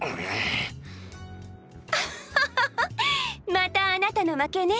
またあなたの負けね！